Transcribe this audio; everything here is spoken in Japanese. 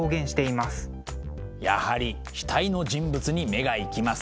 やはり額の人物に目が行きます。